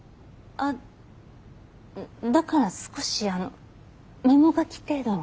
あっだから少しあのメモ書き程度に。